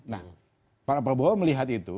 nah para pembawa melihat itu